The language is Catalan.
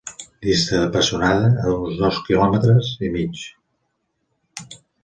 Dista de Pessonada uns dos quilòmetres i mig.